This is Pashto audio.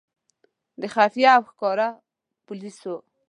د خفیه او ښکاره پولیسو.